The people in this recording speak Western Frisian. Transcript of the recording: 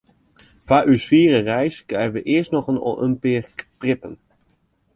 Foar ús fiere reis krije wy earst noch al in pear prippen.